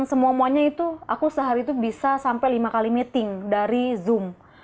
semuanya itu aku sehari itu bisa sampai lima kali meeting dari zoom